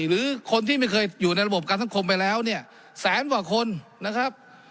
หรือคนที่ไม่เคยอยู่ในระบบการสังคมไปแล้วเนี่ยแสนกว่าคนนะครับ